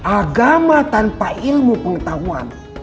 agama tanpa ilmu pengetahuan